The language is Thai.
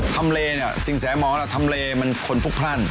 ทำเลเนี่ยสินแสหมอทำเลมันคนพลุกพรั่น